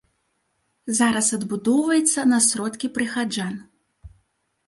Зараз адбудоўваецца на сродкі прыхаджан.